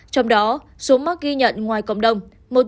trong đó số mắc ghi nhận ngoài cộng đồng